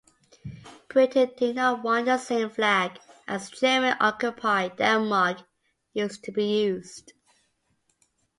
Britain did not want the same flag as German-occupied Denmark to be used.